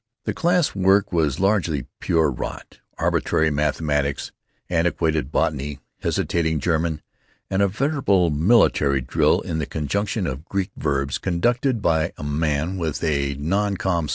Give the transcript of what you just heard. The class work was largely pure rot—arbitrary mathematics, antiquated botany, hesitating German, and a veritable military drill in the conjunction of Greek verbs conducted by a man with a non com.